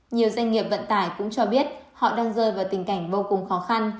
nhiều doanh nghiệp vận tải cũng cho biết họ đang rơi vào tình cảnh vô cùng khó khăn